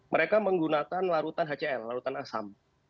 mereka menggunakan larutan hcl larutan asam